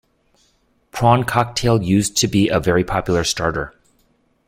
Prawn cocktail used to be a very popular starter